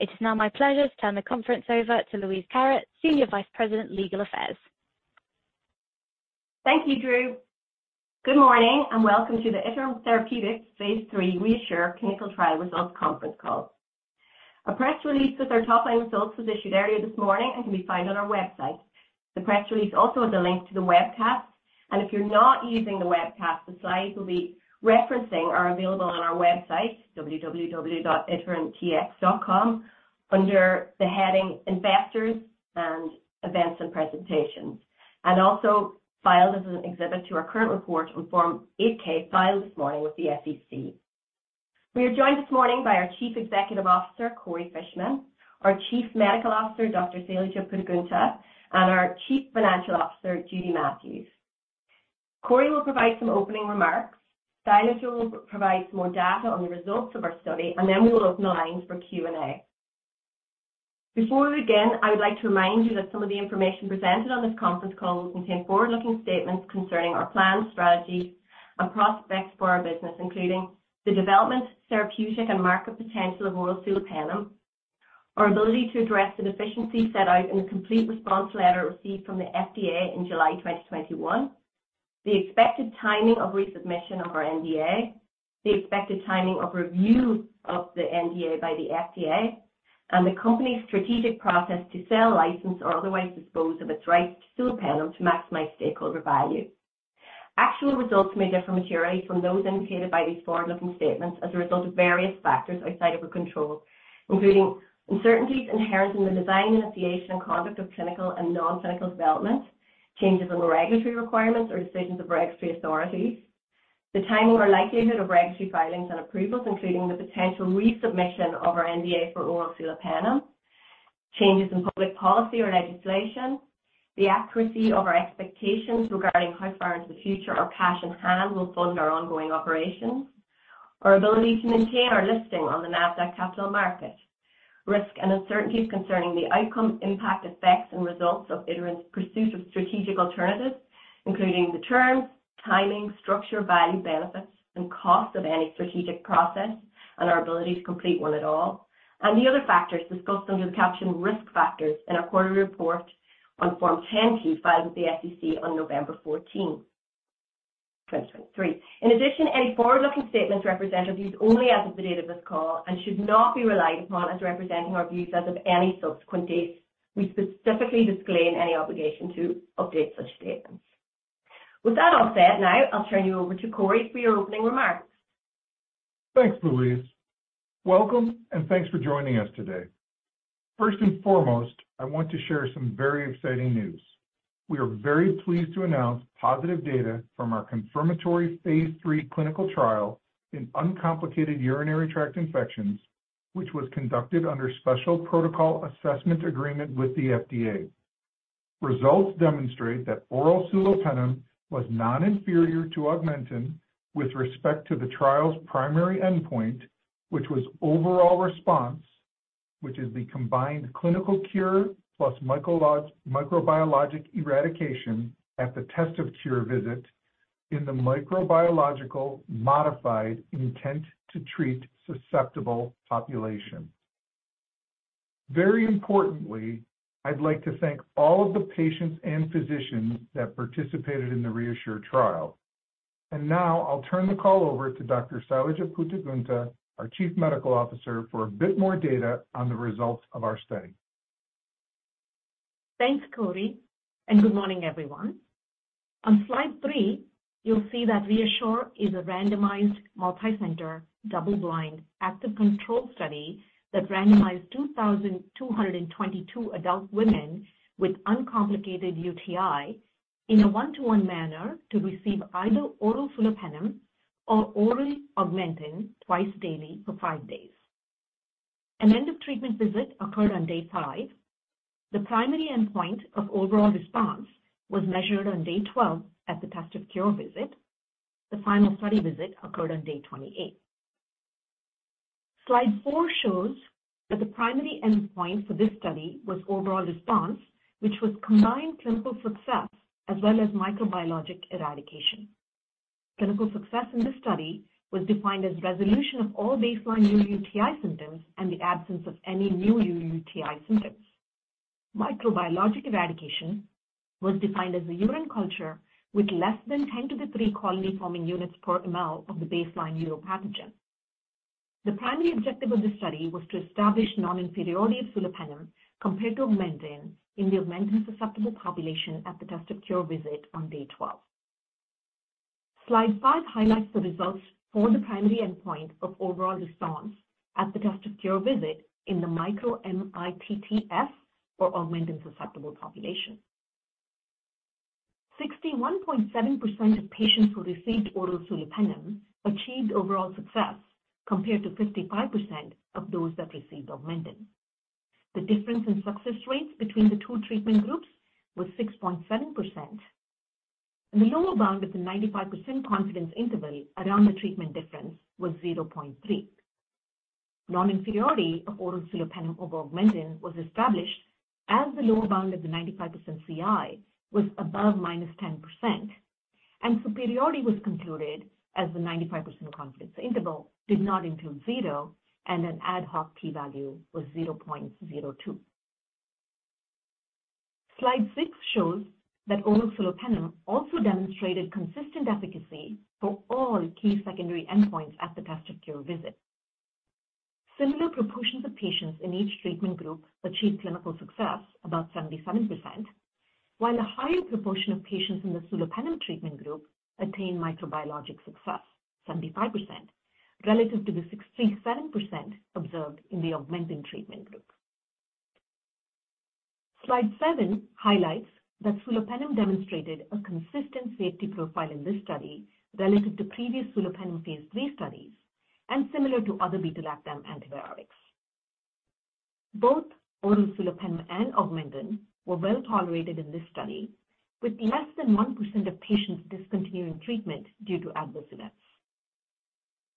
It is now my pleasure to turn the conference over to Louise Barrett, Senior Vice President, Legal Affairs. Thank you, Drew. Good morning, and welcome to the Iterum Therapeutics Phase 3 REASSURE Clinical Trial Results conference call. A press release with our top-line results was issued earlier this morning and can be found on our website. The press release also has a link to the webcast, and if you're not using the webcast, the slides we'll be referencing are available on our website, www.iterumtx.com, under the heading Investors and Events and Presentations. Also filed as an exhibit to our current report on Form 8-K filed this morning with the SEC. We are joined this morning by our Chief Executive Officer, Corey Fishman, our Chief Medical Officer, Dr. Sailaja Puttagunta, and our Chief Financial Officer, Judy Matthews. Corey will provide some opening remarks. Sailaja will provide some more data on the results of our study, and then we will open the lines for Q&A. Before we begin, I would like to remind you that some of the information presented on this conference call will contain forward-looking statements concerning our plans, strategies, and prospects for our business, including the development, therapeutic, and market potential of oral sulopenem, our ability to address the deficiency set out in the Complete Response Letter received from the FDA in July 2021. The expected timing of resubmission of our NDA, the expected timing of review of the NDA by the FDA, and the company's strategic process to sell, license, or otherwise dispose of its rights to sulopenem to maximize stakeholder value. Actual results may differ materially from those indicated by these forward-looking statements as a result of various factors outside of our control, including uncertainties inherent in the design, initiation, and conduct of clinical and non-clinical development. Changes in the regulatory requirements or decisions of regulatory authorities. The timing or likelihood of regulatory filings and approvals, including the potential resubmission of our NDA for oral sulopenem. Changes in public policy or legislation. The accuracy of our expectations regarding how far into the future our cash on hand will fund our ongoing operations. Our ability to maintain our listing on the NASDAQ Capital Market. Risk and uncertainties concerning the outcome, impact, effects, and results of Iterum's pursuit of strategic alternatives, including the terms, timing, structure, value, benefits, and costs of any strategic process and our ability to complete one at all. The other factors discussed under the caption Risk Factors in our quarterly report on Form 10-K, filed with the SEC on November 14, 2023. In addition, any forward-looking statements represent our views only as of the date of this call and should not be relied upon as representing our views as of any subsequent date. We specifically disclaim any obligation to update such statements. With that all said, now I'll turn you over to Corey for your opening remarks. Thanks, Louise. Welcome, and thanks for joining us today. First and foremost, I want to share some very exciting news. We are very pleased to announce positive data from our confirmatory phase 3 clinical trial in uncomplicated urinary tract infections, which was conducted under Special Protocol Assessment agreement with the FDA. Results demonstrate that oral sulopenem was non-inferior to Augmentin with respect to the trial's primary endpoint, which was overall response, which is the combined clinical cure plus microbiologic eradication at the test of cure visit in the Microbiological Modified Intent-to-Treat susceptible population. Very importantly, I'd like to thank all of the patients and physicians that participated in the REASSURE trial. Now I'll turn the call over to Dr. Sailaja Puttagunta, our Chief Medical Officer, for a bit more data on the results of our study. Thanks, Corey, and good morning, everyone. On Slide 3, you'll see that REASSURE is a randomized, multicenter, double-blind, active control study that randomized 2,222 adult women with uncomplicated UTI in a 1:1 manner to receive either oral sulopenem or oral Augmentin twice daily for 5 days. An end of treatment visit occurred on day 5. The primary endpoint of overall response was measured on day 12 at the test of cure visit. The final study visit occurred on day 28. Slide 4 shows that the primary endpoint for this study was overall response, which was combined clinical success as well as microbiologic eradication. Clinical success in this study was defined as resolution of all baseline UTI symptoms and the absence of any new UTI symptoms. Microbiologic eradication was defined as a urine culture with less than 10 to the 3 colony-forming units per mL of the baseline uropathogen. The primary objective of the study was to establish non-inferiority of sulopenem compared to Augmentin in the Augmentin-susceptible population at the test of cure visit on day 12. Slide 5 highlights the results for the primary endpoint of overall response at the test of cure visit in the micro-MITT for Augmentin-susceptible population. 61.7% of patients who received oral sulopenem achieved overall success, compared to 55% of those that received Augmentin. The difference in success rates between the two treatment groups was 6.7%, and the lower bound of the 95% confidence interval around the treatment difference was 0.3. Non-inferiority of oral sulopenem over Augmentin was established as the lower bound of the 95% CI was above -10%... and superiority was concluded as the 95% confidence interval did not include zero, and an ad hoc p-value was 0.02. Slide 6 shows that oral sulopenem also demonstrated consistent efficacy for all key secondary endpoints at the test of cure visit. Similar proportions of patients in each treatment group achieved clinical success, about 77%, while a higher proportion of patients in the sulopenem treatment group attained microbiologic success, 75%, relative to the 67% observed in the Augmentin treatment group. Slide 7 highlights that sulopenem demonstrated a consistent safety profile in this study relative to previous sulopenem phase 3 studies and similar to other beta-lactam antibiotics. Both oral sulopenem and Augmentin were well tolerated in this study, with less than 1% of patients discontinuing treatment due to adverse events.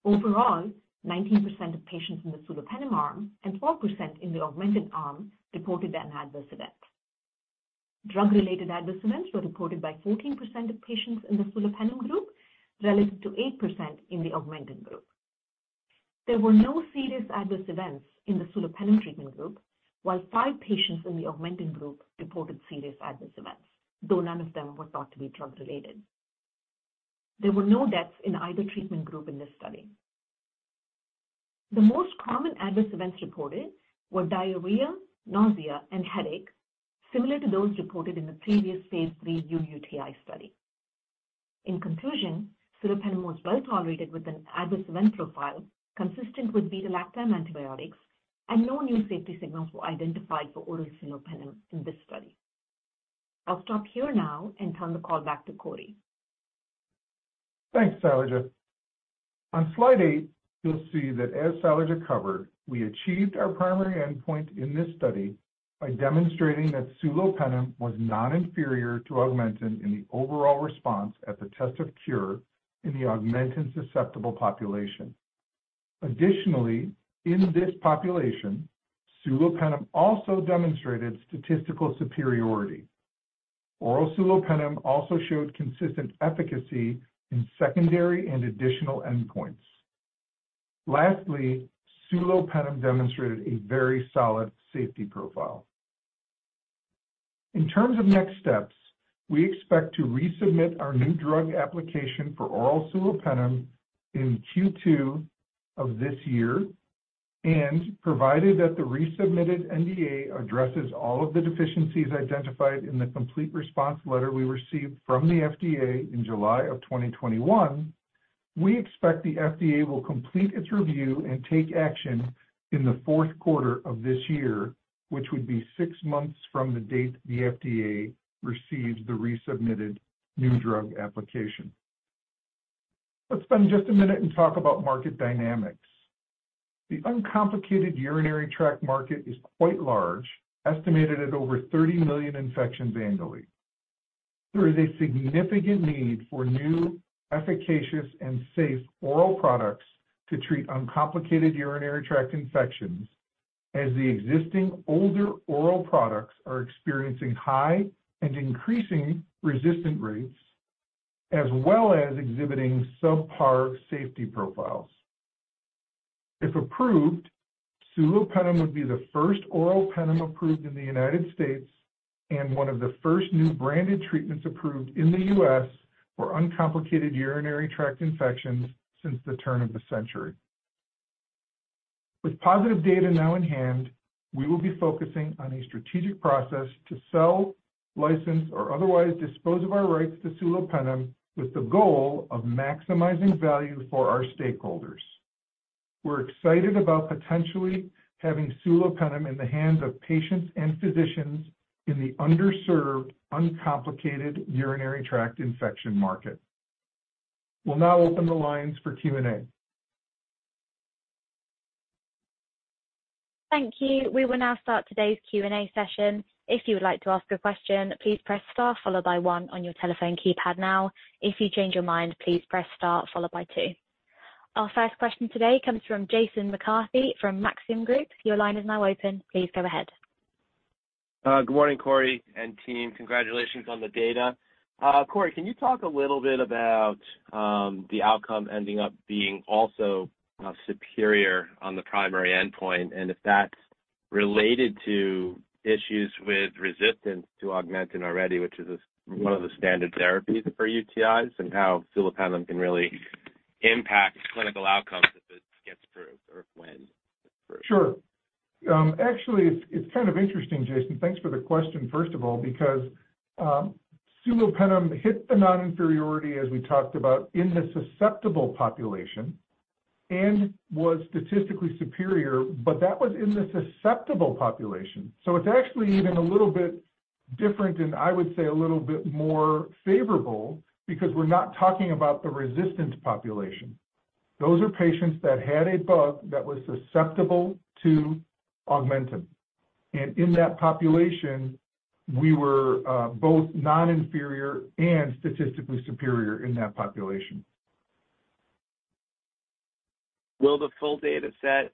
Overall, 19% of patients in the sulopenem arm and 4% in the Augmentin arm reported an adverse event. Drug-related adverse events were reported by 14% of patients in the sulopenem group, relative to 8% in the Augmentin group. There were no serious adverse events in the sulopenem treatment group, while five patients in the Augmentin group reported serious adverse events, though none of them were thought to be drug-related. There were no deaths in either treatment group in this study. The most common adverse events reported were diarrhea, nausea, and headache, similar to those reported in the previous phase 3 uUTI study. In conclusion, sulopenem was well tolerated with an adverse event profile consistent with beta-lactam antibiotics, and no new safety signals were identified for oral sulopenem in this study. I'll stop here now and turn the call back to Corey. Thanks, Sailaja. On Slide 8, you'll see that as Sailaja covered, we achieved our primary endpoint in this study by demonstrating that sulopenem was non-inferior to Augmentin in the overall response at the test of cure in the Augmentin-susceptible population. Additionally, in this population, sulopenem also demonstrated statistical superiority. Oral sulopenem also showed consistent efficacy in secondary and additional endpoints. Lastly, sulopenem demonstrated a very solid safety profile. In terms of next steps, we expect to resubmit our New Drug Application for oral sulopenem in Q2 of this year, and provided that the resubmitted NDA addresses all of the deficiencies identified in the complete response letter we received from the FDA in July 2021, we expect the FDA will complete its review and take action in the fourth quarter of this year, which would be six months from the date the FDA receives the resubmitted New Drug Application. Let's spend just a minute and talk about market dynamics. The uncomplicated urinary tract market is quite large, estimated at over 30 million infections annually. There is a significant need for new, efficacious, and safe oral products to treat uncomplicated urinary tract infections, as the existing older oral products are experiencing high and increasing resistance rates, as well as exhibiting subpar safety profiles. If approved, sulopenem would be the first oral penem approved in the United States and one of the first new branded treatments approved in the US for uncomplicated urinary tract infections since the turn of the century. With positive data now in hand, we will be focusing on a strategic process to sell, license, or otherwise dispose of our rights to sulopenem, with the goal of maximizing value for our stakeholders. We're excited about potentially having sulopenem in the hands of patients and physicians in the underserved, uncomplicated urinary tract infection market. We'll now open the lines for Q&A. Thank you. We will now start today's Q&A session. If you would like to ask a question, please press star followed by one on your telephone keypad now. If you change your mind, please press star followed by two. Our first question today comes from Jason McCarthy from Maxim Group. Your line is now open. Please go ahead. Good morning, Corey and team. Congratulations on the data. Corey, can you talk a little bit about the outcome ending up being also superior on the primary endpoint? And if that's related to issues with resistance to Augmentin already, which is one of the standard therapies for UTIs, and how sulopenem can really impact clinical outcomes if it gets approved or when it's approved? Sure. Actually, it's kind of interesting, Jason. Thanks for the question, first of all, because sulopenem hit the non-inferiority, as we talked about in the susceptible population and was statistically superior, but that was in the susceptible population. So it's actually even a little bit different, and I would say a little bit more favorable because we're not talking about the resistant population. Those are patients that had a bug that was susceptible to Augmentin, and in that population, we were both non-inferior and statistically superior in that population. Will the full data set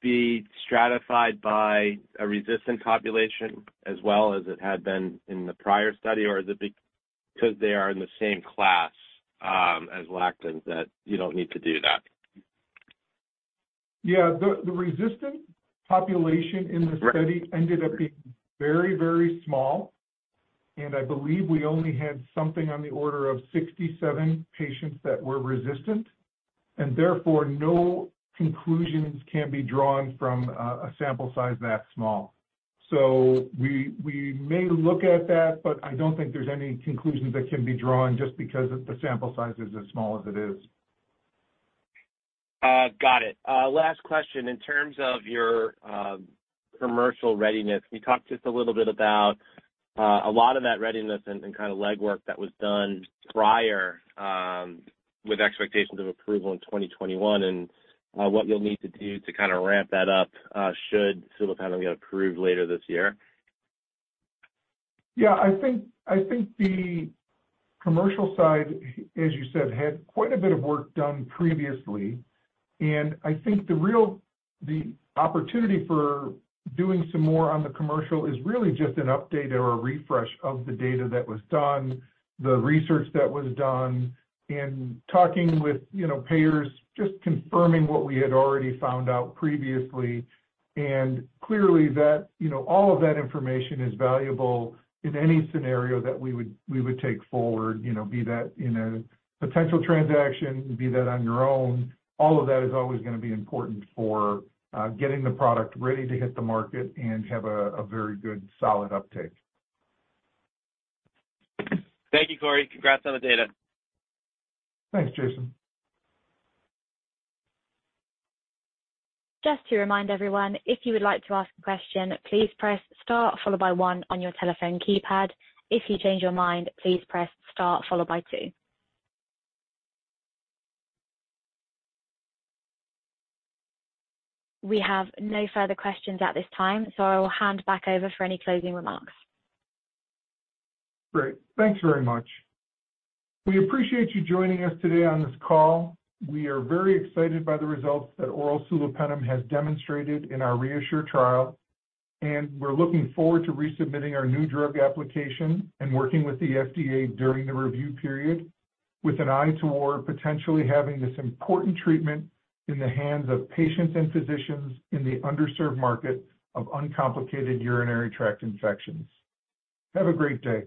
be stratified by a resistant population as well as it had been in the prior study? Or is it because they are in the same class as lactams, that you don't need to do that? Yeah. The resistant population in the study ended up being very, very small, and I believe we only had something on the order of 67 patients that were resistant, and therefore, no conclusions can be drawn from a sample size that small. So we may look at that, but I don't think there's any conclusions that can be drawn just because the sample size is as small as it is. Got it. Last question. In terms of your commercial readiness, can you talk just a little bit about a lot of that readiness and kind of legwork that was done prior with expectations of approval in 2021, and what you'll need to do to kind of ramp that up should sulopenem get approved later this year? Yeah, I think, I think the commercial side, as you said, had quite a bit of work done previously, and I think the real, the opportunity for doing some more on the commercial is really just an update or a refresh of the data that was done, the research that was done, and talking with, you know, payers, just confirming what we had already found out previously. And clearly that, you know, all of that information is valuable in any scenario that we would, we would take forward, you know, be that in a potential transaction, be that on your own. All of that is always gonna be important for getting the product ready to hit the market and have a, a very good, solid uptake. Thank you, Corey. Congrats on the data. Thanks, Jason. Just to remind everyone, if you would like to ask a question, please press star followed by one on your telephone keypad. If you change your mind, please press star followed by two. We have no further questions at this time, so I will hand back over for any closing remarks. Great. Thanks very much. We appreciate you joining us today on this call. We are very excited by the results that oral sulopenem has demonstrated in our REASSURE trial, and we're looking forward to resubmitting our new drug application and working with the FDA during the review period, with an eye toward potentially having this important treatment in the hands of patients and physicians in the underserved market of uncomplicated urinary tract infections. Have a great day.